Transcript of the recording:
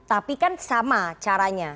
tapi kan sama caranya